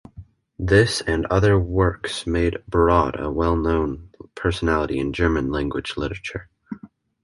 This and other works made Brod a well-known personality in German-language literature.